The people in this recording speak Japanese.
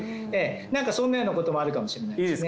なんかそんなようなこともあるかもしれないですね。